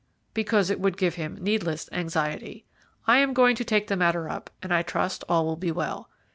"Because it would give him needless anxiety. I am going to take the matter up, and I trust all will be well.